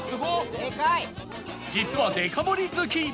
実はデカ盛り好き